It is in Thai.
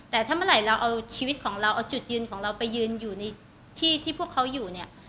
แต่ถ้าเมื่อไหร่เราเอาชีวิตของเราเอาจุดยืนของเราไปยืนอยู่ในที่ที่พวกเขาอยู่เนี่ย